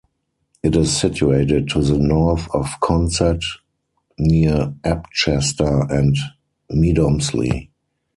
It is situated to the north of Consett, near Ebchester and Medomsley.